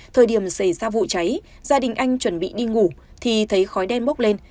thời điểm xảy ra vụ cháy gia đình anh chuẩn bị đi ngủ thì thấy khói đen bốc lên